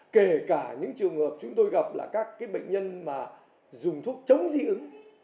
kể cả những trường hợp chúng tôi gặp là các bệnh nhân mà dùng thuốc chống dị ứng